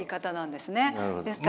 ですから。